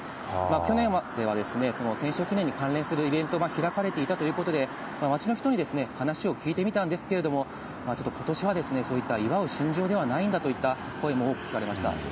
去年までは、戦勝記念に関連するイベント開かれていたということで、街の人に話を聞いてみたんですけれども、ちょっとことしは、そういった祝う心情ではないんだという声も多く聞かれました。